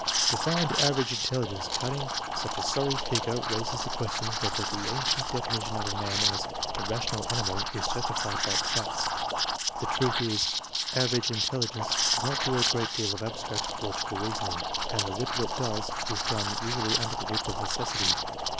To find average intelligence cutting such a sorry figure raises the question whether the ancient defini tion of man as " the rational animal " is justified by the facts. The truth is, average intelligence does not do a great deal of abstract, logical reasoning, and the little it does is done usually under the whip of necessity.